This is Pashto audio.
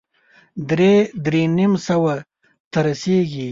درې- درې نيم سوه ته رسېږي.